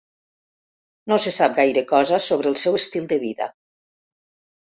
No se sap gaire cosa sobre el seu estil de vida.